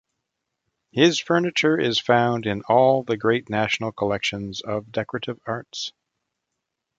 His furniture is found in all the great national collections of decorative arts.